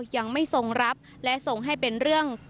ยังไม่ทรงรับและทรงให้เป็นเรื่อง